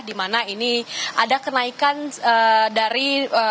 di mana ini ada kenaikan dari